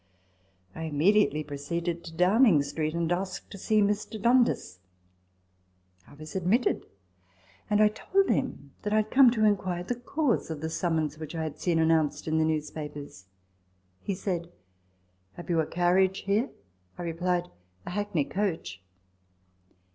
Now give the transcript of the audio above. I immediately proceeded to Downing Street, and asked to see Mr. Dundas. I was admitted ; and I told him that I had come to inquire the cause of the summons which I had seen announced in the newspapers. He said, " Have you a carriage here ?" I replied, " A hackney coach."